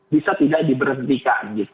bisa tidak di berhentikan